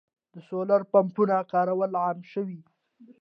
د سولر پمپونو کارول عام شوي.